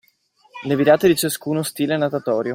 Le virate di ciascuno stile natatorio.